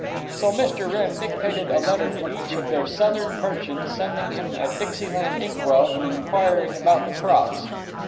So Mr. Wrenn dictated a letter to each of their Southern merchants, sending him a Dixieland Ink well and inquiring about the crops.